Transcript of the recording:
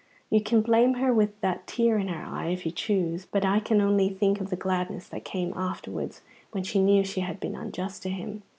You can blame her with that tear in her eye if you choose; but I can think only of the gladness that came afterwards when she knew she had been unjust to him.